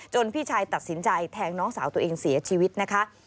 พี่ชายตัดสินใจแทงน้องสาวตัวเองเสียชีวิตนะคะ